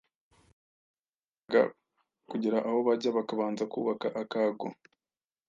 Bamaraga kugera aho bajya bakabanza kubaka akago